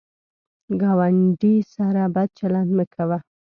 ګاونډي سره بد چلند مه کوه